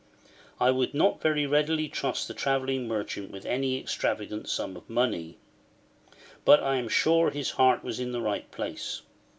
I would not very readily trust the travelling merchant with any extravagant sum of money; but I am sure his heart was in the right place.